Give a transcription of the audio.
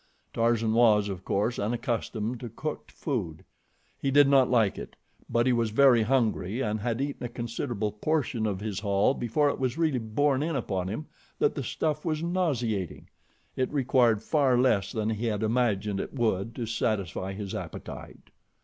Tarzan was, of course, unaccustomed to cooked food. He did not like it; but he was very hungry and had eaten a considerable portion of his haul before it was really borne in upon him that the stuff was nauseating. It required far less than he had imagined it would to satisfy his appetite.